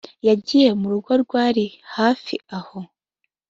yagiye mu rugo rwari hafi aho